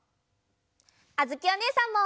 あづきおねえさんも！